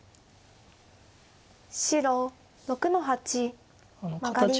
白６の八マガリ。